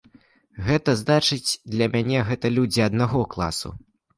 Гэта значыць, для мяне гэта людзі аднаго класу.